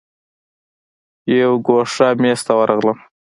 یو ګوښه میز ته ورغلم.